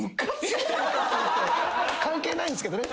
関係ないんすけどね。